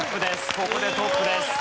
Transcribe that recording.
ここでトップです。